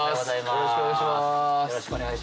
よろしくお願いします。